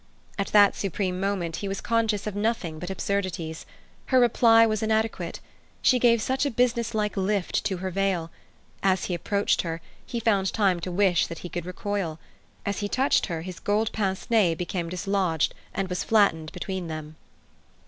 At that supreme moment he was conscious of nothing but absurdities. Her reply was inadequate. She gave such a business like lift to her veil. As he approached her he found time to wish that he could recoil. As he touched her, his gold pince nez became dislodged and was flattened between them.